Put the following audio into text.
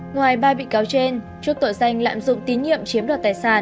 ngoài ba bị cáo trên trước tội danh lạm dụng tín nhiệm chiếm đoạt tài sản